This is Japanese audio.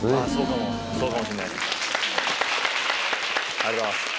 ありがとうございます。